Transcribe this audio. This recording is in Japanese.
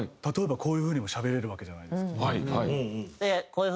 「でこういう風にもしゃべれるわけじゃないですか」。